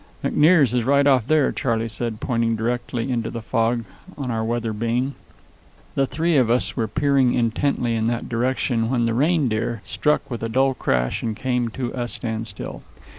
"McNear's is right off there," Charley said, pointing directly into the fog on our weather beam. The three of us were peering intently in that direction, when the Reindeer struck with a dull crash and came to a standstill.